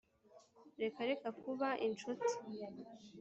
reka reka kuba inshuti.